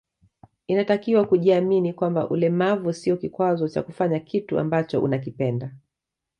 Inatakiwa kujiamini kwamba ulemavu sio kikwazo cha kufanya kitu ambacho unakipenda